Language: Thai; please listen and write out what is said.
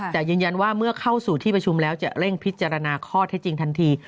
แต่ยืนยันว่าเมื่อเข้าสู่ที่ประชุมแล้วจะเร่งพิจารณาข้อเท็จจริงทันที